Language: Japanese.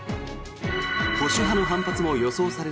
保守派の反発も予想される